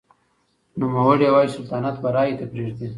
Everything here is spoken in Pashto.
نوموړي وايي چې سلطنت به رایې ته پرېږدي.